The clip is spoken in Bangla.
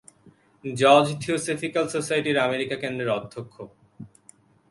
জজ থিওসফিক্যাল সোসাইটির আমেরিকা-কেন্দ্রের অধ্যক্ষ।